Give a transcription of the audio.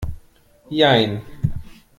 Jein.